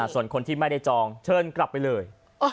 ส่วนคนที่ไม่ได้จองเชิญกลับไปเลย